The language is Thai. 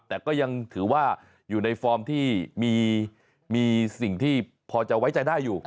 แต่ก็ยังถือว่าอยู่ในฟอร์มที่มีสิ่งที่พอจะไว้ใจได้อยู่